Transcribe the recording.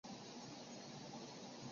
多变尻参为尻参科尻参属的动物。